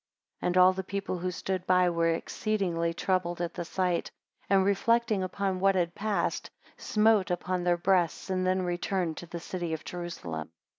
6 And all the people who stood by, were exceedingly troubled at the sight; and reflecting upon what had passed, smote upon their breasts, and then returned to the city of Jerusalem.